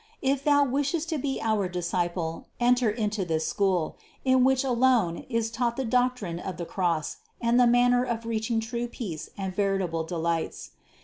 If thou wishest to be our disciple enter into this school, in which alone is taught the doctrine of the cross and the manner of reaching true peace and veritable delights.